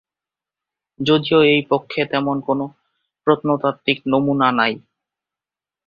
যদিও এই পক্ষে তেমন কোন প্রত্নতাত্ত্বিক নমুনা নাই।